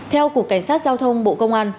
theo cục cảnh sát giao thông bộ công an